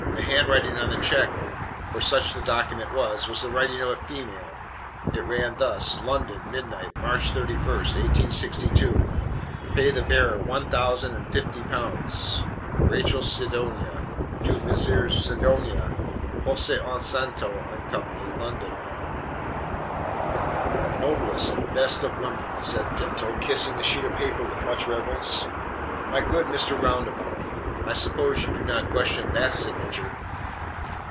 The handwriting on the check, for such the document was, was the writing of a female. It ran thus: "London, midnight, March 31, 1862. Pay the bearer one thousand and fifty pounds. Rachel Sidonia. To Messrs. Sidonia, Pozzosanto and Co., London." "Noblest and best of women!" said Pinto, kissing the sheet of paper with much reverence. "My good Mr. Roundabout, I suppose you do not question THAT signature?"